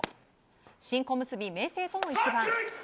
新小結・明生との一番。